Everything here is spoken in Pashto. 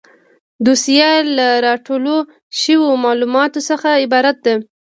دوسیه له راټول شویو معلوماتو څخه عبارت ده.